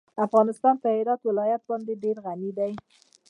افغانستان په هرات ولایت باندې ډېر غني دی.